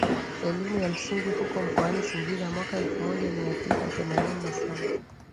elimu ya msingi huko mkoani Singida mwaka elfu moja mia tisa themanini na saba